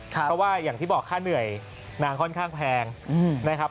เพราะว่าอย่างที่บอกค่าเหนื่อยนางค่อนข้างแพงนะครับ